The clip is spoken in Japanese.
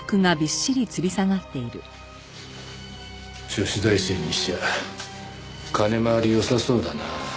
女子大生にしては金回り良さそうだな。